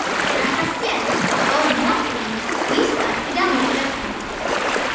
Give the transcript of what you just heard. ახასიათებთ სწორი მახვილი ნისკარტი და მოკლე კუდი.